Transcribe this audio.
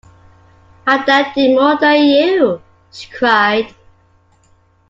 “I dare do more than you,” she cried.